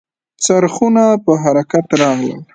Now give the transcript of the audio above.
څرخونه په حرکت راغلل .